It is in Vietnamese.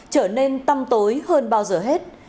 trở nên tăm tối hơn bao giờ hết